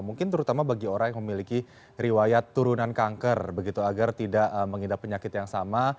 mungkin terutama bagi orang yang memiliki riwayat turunan kanker begitu agar tidak mengidap penyakit yang sama